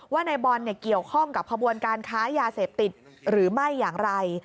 ว่านายบอลเกี่ยวข้องกับขบวนการค้ายาเสพติดหรือไม่อย่างไร